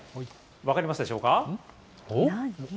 分かりますでしょうか。